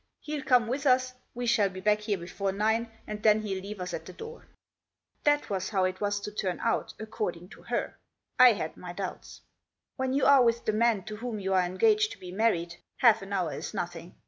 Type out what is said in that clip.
Hell come with us, we shall be back here before nine, and then he'll leave us at the door." That was how it was to turn out, according to her. I had my doubts. When you are with the man to whom you are engaged to be married half an hour is nothing.